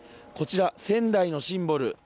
こちら仙台のシンボル